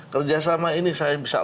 kerjasama ini saya bisa